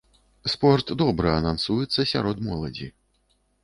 Спорт добра анансіруецца сярод моладзі.